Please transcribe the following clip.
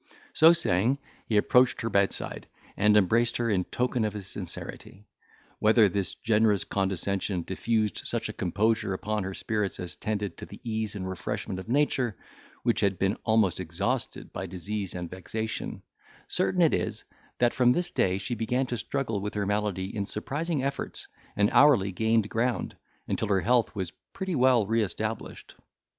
So saying, he approached her bedside, and embraced her in token of his sincerity. Whether this generous condescension diffused such a composure upon her spirits as tended to the ease and refreshment of nature, which had been almost exhausted by disease and vexation, certain it is, that from this day she began to struggle with her malady in surprising efforts, and hourly gained ground, until her health was pretty well re established.